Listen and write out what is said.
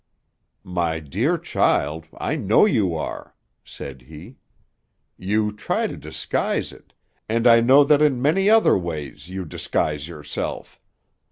"My dear child, I know you are," said he. "You try to disguise it. And I know that in many other ways you disguise yourself.